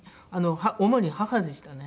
主に母でしたね。